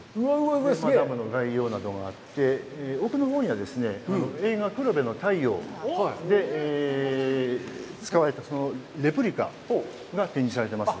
黒部ダムの概要などがあって、奥のほうには映画「黒部の太陽」で使われたレプリカが展示されています。